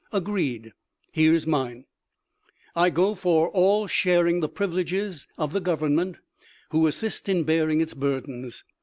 Agreed. Here's mine :" I go for all sharing the privileges of the govern ment who assist in bearing its burdens.